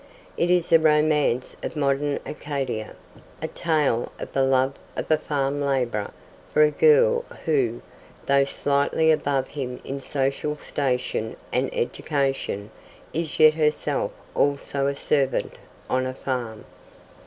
It is a romance of modern Arcadia a tale of the love of a farm labourer for a girl who, though slightly above him in social station and education, is yet herself also a servant on a farm.